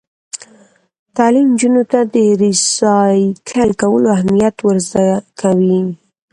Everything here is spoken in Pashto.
تعلیم نجونو ته د ریسایکل کولو اهمیت ور زده کوي.